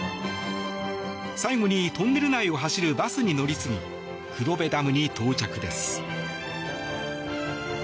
最後に、トンネル内を走るバスに乗り継ぎ黒部ダムに到着です。